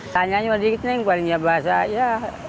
tanyanya berapa ini yang paling nyabar saya